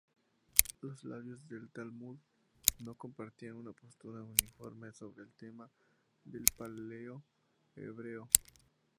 Los sabios del Talmud no compartían una postura uniforme sobre el tema del Paleo-Hebreo.